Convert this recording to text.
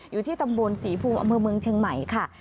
อยู่ที่สีภูมิกับเมืองเชียงใหม่ค่ะ